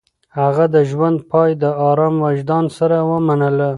هغه د ژوند پاى د ارام وجدان سره ومنله.